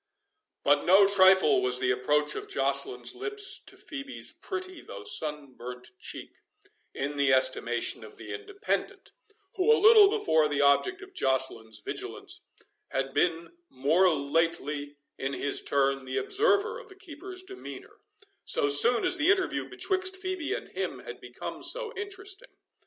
But no trifle was the approach of Joceline's lips to Phœbe's pretty though sunburnt cheek, in the estimation of the Independent, who, a little before the object of Joceline's vigilance, had been more lately in his turn the observer of the keeper's demeanour, so soon as the interview betwixt Phœbe and him had become so interesting.